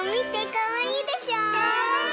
かわいい！